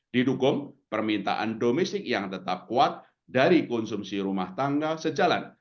didukung permintaan domestik yang tetap kuat dari konsumsi rumah tangga sejalan